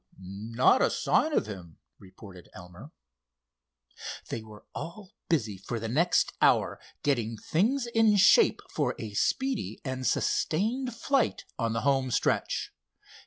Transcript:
"Not a sign of him," reported Elmer. They were all busy for the next hour, getting things in shape for a speedy and sustained flight on the home stretch.